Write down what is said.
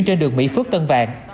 trên đường mỹ phước tân vàng